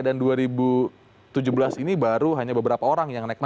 dan dua ribu tujuh belas ini baru hanya beberapa orang yang naik masalah